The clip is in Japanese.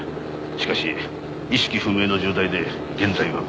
しかし意識不明の重体で現在は病院に。